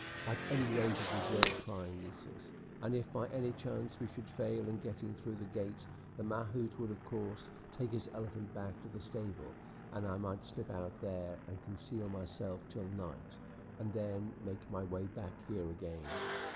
At any rate it is worth trying, Nessus, and if by any chance we should fail in getting through the gate, the mahout would, of course, take his elephant back to the stable, and I might slip out there and conceal myself till night, and then make my way back here again."